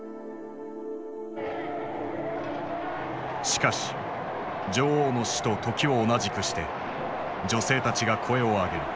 しかし女王の死と時を同じくして女性たちが声を上げる。